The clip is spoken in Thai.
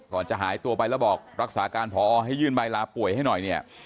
จะหายตัวไปแล้วบอกรักษาการพอให้ยื่นใบลาป่วยให้หน่อยเนี่ย